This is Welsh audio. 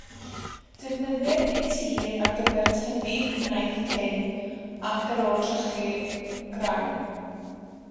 Defnyddir eu tir ar gyfer tyfu gwenith cyn ac ar ôl tyrchu graean.